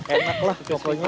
enak lah pokoknya